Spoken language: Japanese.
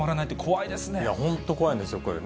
いや、本当怖いんですよ、これね。